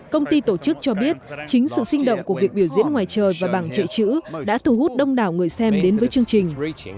công ty tổ chức cho biết chính sự sinh động của việc biểu diễn ngoài trời và bằng dạy chữ đã thu hút đông đảo người xem đến với chương trình